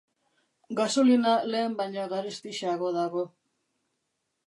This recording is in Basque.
Gasolina lehen baino garestixeago dago.